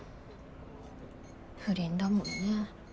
不倫だもんね。